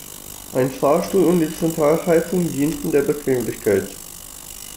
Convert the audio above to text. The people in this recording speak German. Ein Fahrstuhl und die Zentralheizung dienten der Bequemlichkeit.